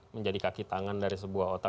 menjadi kaki tangan dari sebuah otak